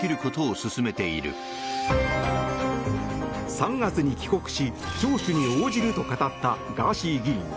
３月に帰国し聴取に応じると語ったガーシー議員。